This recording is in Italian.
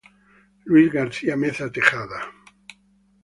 Luis García Meza Tejada